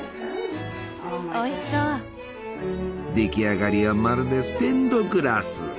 出来上がりはまるでステンドグラス！